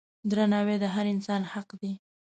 درناوی د هر انسان حق دی.